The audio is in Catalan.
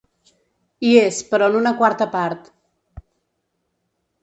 Hi és, però en una quarta part.